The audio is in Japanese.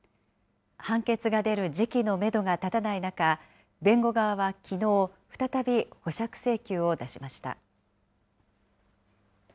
判決が出る時期のメドが立たない中、弁護側はきのう、再び保釈請求を出しました。